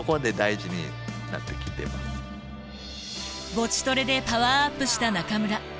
ボチトレでパワーアップした中村。